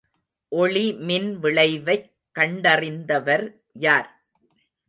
ஒளி மின்விளைவைக் கண்டறிந்தவர் யார்?